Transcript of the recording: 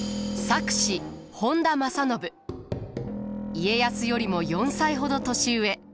家康よりも４歳ほど年上。